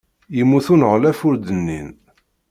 Yemmut uneɣlaf ur d-nnin.